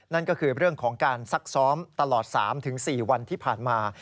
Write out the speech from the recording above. นั่นก็คือเรื่องของการซักซ้อมตลอด๓๔วันที่ผ่านมา